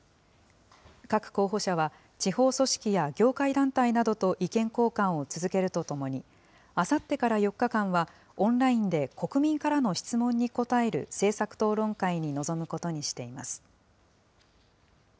各候補者は、地方組織や業界団体などと意見交換を続けるとともに、あさってから４日間はオンラインで国民からの質問に答える政策討論会に臨むことにしています。